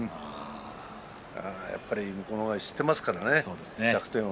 やっぱり向こうの方が知っているからね弱点を。